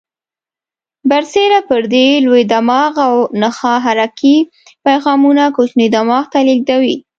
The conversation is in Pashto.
برسیره پر دې لوی دماغ او نخاع حرکي پیغامونه کوچني دماغ ته لېږدوي.